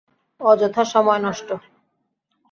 অযথা সময় নষ্ট!